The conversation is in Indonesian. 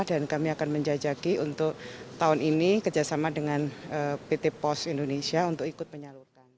dan kami akan menjajaki untuk tahun ini kerjasama dengan pt pos indonesia untuk ikut penyalurkan